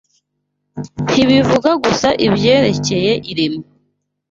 ntibivuga gusa ibyerekeye iremwa